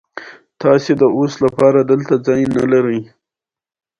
ټول نومځري هم جنس او جمع نوم راښيي.